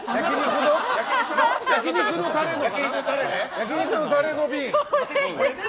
焼き肉のタレの瓶。